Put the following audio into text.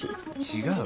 違う。